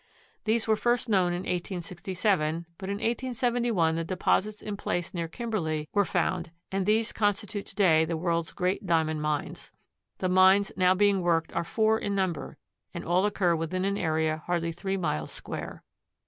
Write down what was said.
These were first known in 1867, but in 1871 the deposits in place near Kimberley were found and these constitute today the world's great Diamond mines. The mines now being worked are four in number, and all occur within an area hardly three miles square.